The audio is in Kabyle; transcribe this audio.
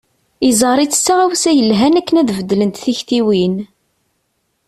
Yeẓẓar-itt d taɣawsa yelhan akken ad beddlent tiktiwin.